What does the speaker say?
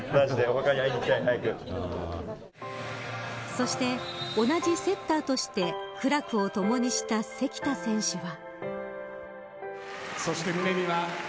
そして、同じセッターとして苦楽をともにした関田選手は。